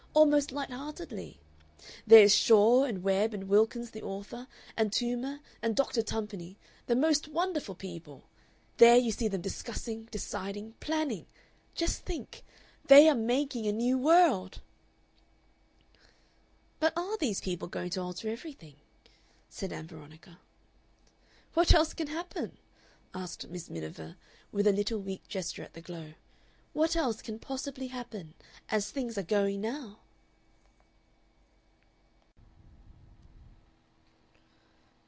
Almost light heartedly. There is Shaw, and Webb, and Wilkins the author, and Toomer, and Doctor Tumpany the most wonderful people! There you see them discussing, deciding, planning! Just think THEY ARE MAKING A NEW WORLD!" "But ARE these people going to alter everything?" said Ann Veronica. "What else can happen?" asked Miss Miniver, with a little weak gesture at the glow. "What else can possibly happen as things are going now?"